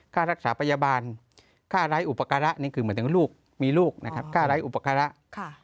ค่ารักษาพยาบาลค่าไร้อุปการะนี่คือหมายถึงลูกมีลูกนะครับค่าไร้อุปการะ